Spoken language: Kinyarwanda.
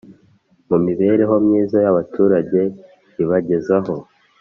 mu mibereho myiza y'abaturage ibagezaho